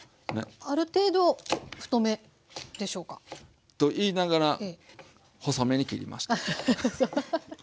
ある程度太めでしょうか？と言いながら細めに切りました。